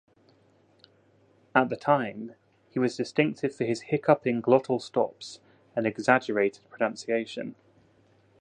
At the time, he was distinctive for his hiccupping glottal stops and exaggerated pronunciation.